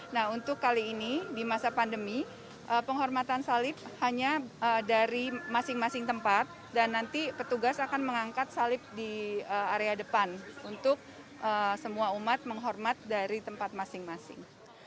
nah untuk kali ini di masa pandemi penghormatan salib hanya dari masing masing tempat dan nanti petugas akan mengangkat salib di area depan untuk semua umat menghormat dari tempat masing masing